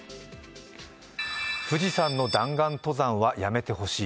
富士山の弾丸登山はやめてほしい。